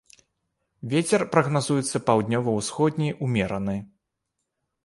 Вецер прагназуецца паўднёва-ўсходні ўмераны.